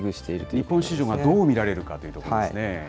日本市場がどう見られるかというところですね。